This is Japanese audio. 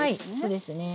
そうですね。